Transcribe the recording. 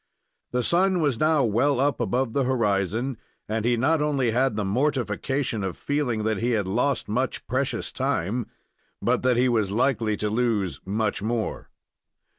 The sun was now well up above the horizon, and he not only had the mortification of feeling that he had lost much precious time, but that he was likely to lose much more.